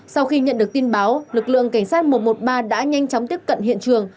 sau khi nhận được tin báo lực lượng cảnh sát một trăm một mươi ba đã nhanh chóng tiếp cận hiện trường